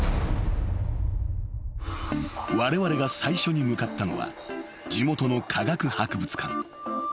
［われわれが最初に向かったのは地元の科学博物館］